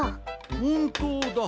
ほんとうだ。